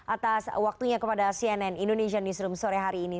atas waktunya kepada cnn indonesia newsroom sore hari ini